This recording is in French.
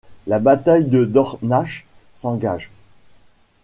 La bataille de Dornach s'engage.